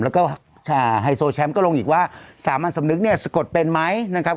แล้วก็ไฮโซแชมป์ก็ลงอีกว่าสามัญสำนึกเนี่ยสะกดเป็นไหมนะครับ